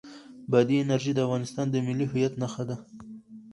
بادي انرژي د افغانستان د ملي هویت نښه ده.